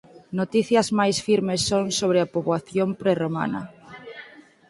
Noticias máis firmes son sobre a poboación prerromana.